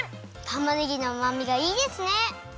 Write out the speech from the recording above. たまねぎのうまみがいいですね！